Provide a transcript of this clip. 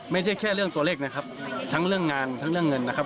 ไม่ใช่แค่เรื่องตัวเลขนะครับทั้งเรื่องงานทั้งเรื่องเงินนะครับ